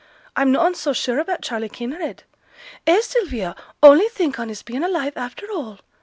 I'm noane so sure about Charley Kinraid. Eh, Sylvia! only think on his being alive after all.